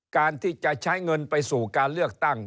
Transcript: การที่จะใช้เงินไปสู่การเลือกตั้ง